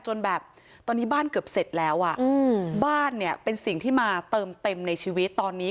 จนแบบตอนนี้บ้านเกือบเสร็จแล้วอ่ะบ้านเนี่ยเป็นสิ่งที่มาเติมเต็มในชีวิตตอนนี้